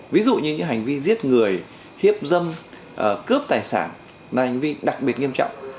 ví dụ như những hành vi giết người hiếp dâm cướp tài sản là hành vi đặc biệt nghiêm trọng